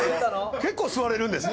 結構吸われるんですね。